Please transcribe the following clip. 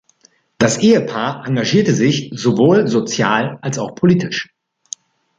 Das Ehepaar engagierte sich sowohl sozial als auch politisch.